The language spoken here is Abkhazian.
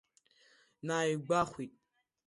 Наигәахәит.